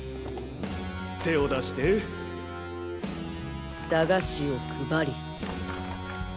手を出して駄菓子を配り。